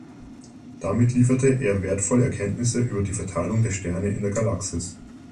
Damit lieferte er wertvolle Erkenntnisse über die Verteilung der Sterne in der Galaxis.